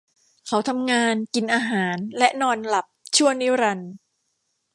เขาทำงาน กินอาหารและนอนหลับชั่วนิรันดร์ !